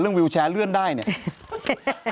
เรื่องวิวแชร์เลื่อนได้เนี่ย